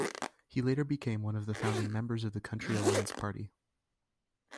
He later became one of the founding members of the Country Alliance party.